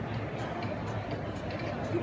มันเป็นสิ่งที่จะให้ทุกคนรู้สึกว่า